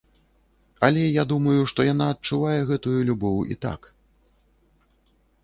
Але я думаю, што яна адчувае гэтую любоў і так.